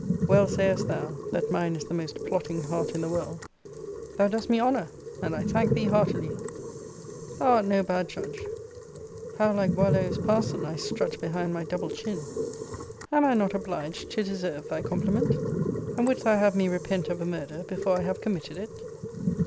] Well sayest thou, that mine is the most plotting heart in the world. Thou dost me honour; and I thank thee heartily. Thou art no bad judge. How like Boileau's parson I strut behind my double chin! Am I not obliged to deserve thy compliment? And wouldst thou have me repent of a murder before I have committed it?